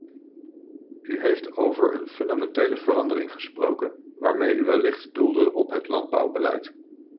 U heeft over een fundamentele verandering gesproken waarmee u wellicht doelde op het landbouwbeleid.